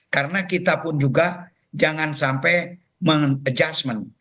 karena kita pun juga jangan sampai mengadjustment